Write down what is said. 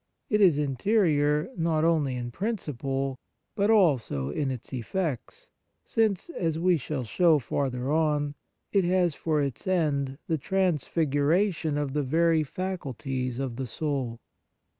It is in terior, not only in principle, but also in its effects, since, as we shall show farther on, it has for its end the transfiguration of the very faculties of the soul.